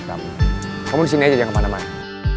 kamu disini aja jangan kemana mana